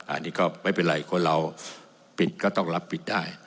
อันนี้ก็ไม่เป็นไรคนเราปิดก็ต้องรับปิดได้